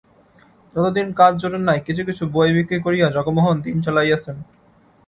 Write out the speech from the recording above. যতদিন কাজ জোটে নাই কিছু কিছু বই বিক্রি করিয়া জগমোহন দিন চালাইয়াছেন।